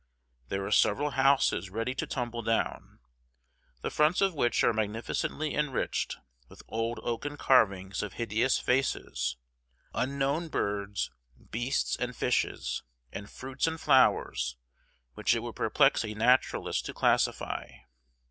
There are several houses ready to tumble down, the fronts of which are magnificently enriched with old oaken carvings of hideous faces, unknown birds, beasts, and fishes, and fruits and flowers which it would perplex a naturalist to classify.